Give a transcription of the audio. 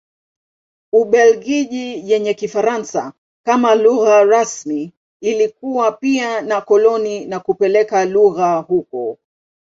Ubelgiji yenye Kifaransa kama lugha rasmi ilikuwa pia na koloni na kupeleka lugha huko.